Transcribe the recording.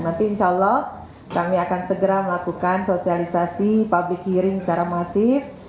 nanti insya allah kami akan segera melakukan sosialisasi public hearing secara masif